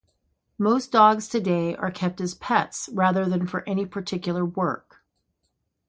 Most dogs today are kept as pets rather than for any particular work.